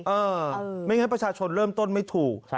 ไม่งั้นประชาชนเริ่มต้นไม่ถูก